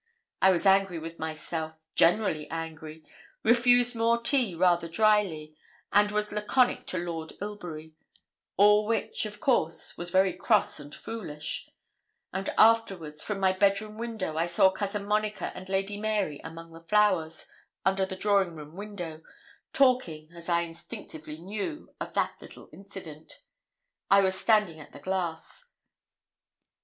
I was angry with myself generally angry refused more tea rather dryly, and was laconic to Lord Ilbury, all which, of course, was very cross and foolish; and afterwards, from my bed room window, I saw Cousin Monica and Lady Mary among the flowers, under the drawing room window, talking, as I instinctively knew, of that little incident. I was standing at the glass.